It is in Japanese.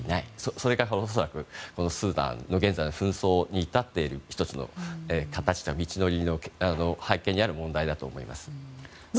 それか恐らくスーダンの現在の紛争に至っている、１つの道のりの背景にある問題だと思います。